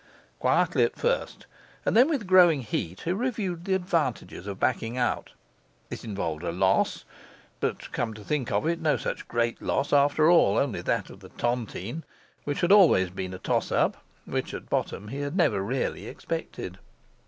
Quietly at first, and then with growing heat, he reviewed the advantages of backing out. It involved a loss; but (come to think of it) no such great loss after all; only that of the tontine, which had been always a toss up, which at bottom he had never really expected.